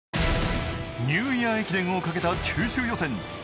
ニューイヤー駅伝をかけた九州予選。